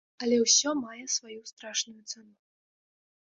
Але ўсё мае сваю страшную цану.